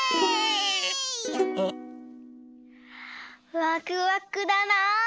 ・ワクワクだな。